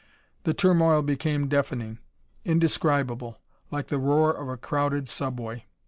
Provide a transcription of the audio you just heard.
The turmoil became deafening, indescribable like the roar of a crowded subway.